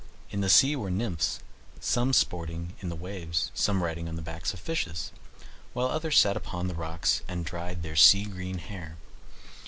In the sea were the nymphs, some sporting in the waves, some riding on the backs of fishes, while others sat upon the rocks and dried their sea green hair.